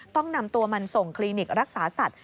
ต้องนำตัวมันส่งคลินิกรักษาสัตว